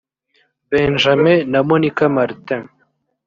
benjamin na monica martin